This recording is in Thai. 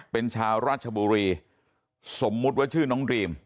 เป็นชาวราชบุรีสมมุติว่าชื่อน้องดรีม